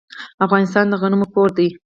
افغانستان د غنمو کور دی.